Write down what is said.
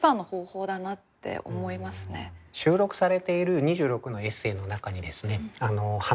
収録されている２６のエッセーの中にですね